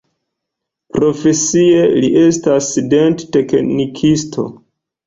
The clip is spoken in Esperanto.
Profesie li estas dent-teknikisto.